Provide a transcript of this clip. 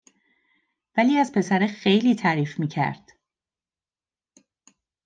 ولی از پسره خیلی تعریف می کرد